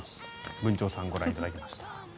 ブンチョウさんご覧いただきました。